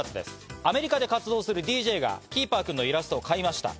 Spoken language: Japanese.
アメリカで活動するＤＪがキーパー君のイラストを買いました。